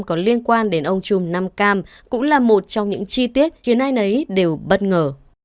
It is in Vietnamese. còn liên quan đến ông chùm nam cam cũng là một trong những chi tiết khiến ai nấy đều bất ngờ